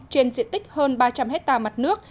trên diện tích hơn ba trăm linh hectare mặt nước